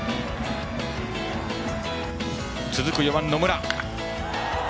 続く４番、野村。